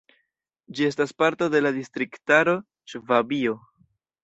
Ĝi estas parto de la distriktaro Ŝvabio.